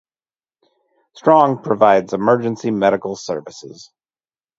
Strong provides emergency medical services.